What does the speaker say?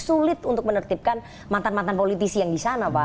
sulit untuk menertibkan mantan mantan politisi yang di sana pak